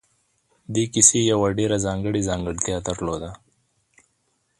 دې کیسې یوه ډېره ځانګړې ځانګړتیا درلوده